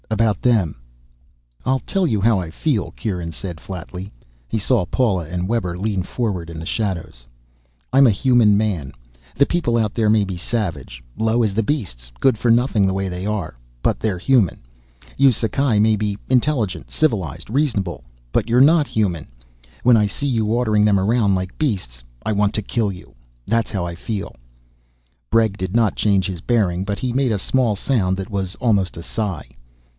About them." "I'll tell you how I feel," Kieran said flatly. He saw Paula and Webber lean forward in the shadows. "I'm a human man. The people out there may be savage, low as the beasts, good for nothing the way they are but they're human. You Sakae may be intelligent, civilized, reasonable, but you're not human. When I see you ordering them around like beasts, I want to kill you. That's how I feel." Bregg did not change his bearing, but he made a small sound that was almost a sigh.